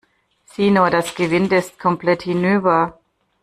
Sieh nur, das Gewinde ist komplett hinüber.